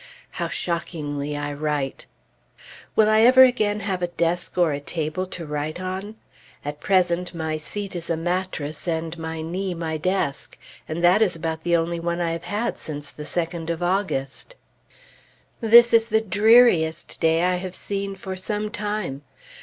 How shockingly I write! Will I ever again have a desk or a table to write on? At present, my seat is a mattress, and my knee my desk; and that is about the only one I have had since the 2d of August. This is the dreariest day I have seen for some time.